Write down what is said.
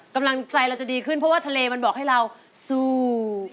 กำลังใจเราจะดีขึ้นเพราะว่าทะเลมันบอกให้เราสู้